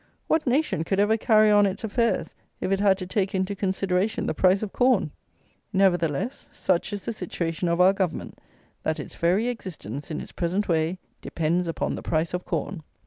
What nation could ever carry on its affairs, if it had to take into consideration the price of corn? Nevertheless, such is the situation of our Government, that its very existence, in its present way, depends upon the price of corn.